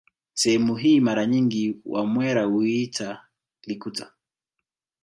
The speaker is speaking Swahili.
Sehemu hii mara nyingi wamwera huiita Likuta